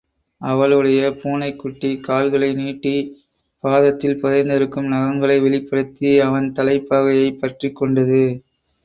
அவளுடைய பூனைக்குட்டி கால்களை நீட்டிப் பாதத்தில் புதைந்திருக்கும் நகங்களை வெளிப்படுத்தி அவன் தலைப் பாகையைப் பற்றிக் கொண்டது.